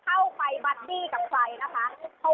อากาศนะคะไม่ใช่ผ่านออกซิเซ็น